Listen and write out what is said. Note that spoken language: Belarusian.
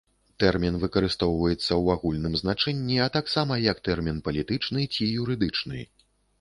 Тэрмін выкарыстоўваецца ў агульным значэнні, а таксама як тэрмін палітычны ці юрыдычны.